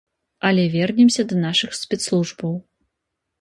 Але вернемся да нашых спецслужбаў.